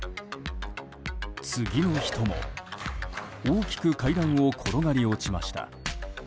次の人も大きく階段を転がり落ちました。